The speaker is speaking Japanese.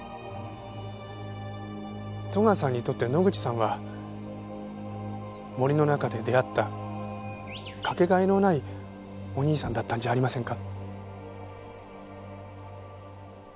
戸川さんにとって野口さんは森の中で出会ったかけがえのないお兄さんだったんじゃありませんか？